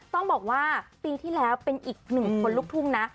ต้องบอกว่าปีที่แล้วเป็นอีกหนึ่งคนลูกทุ่งนะ